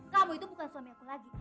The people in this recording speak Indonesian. kamu itu bukan suami aku lagi